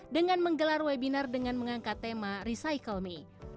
dengan menggelar webinar dengan mengangkat tema recycle may